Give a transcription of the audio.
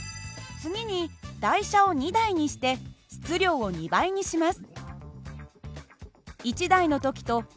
更に台車を３台にして質量を３倍にします。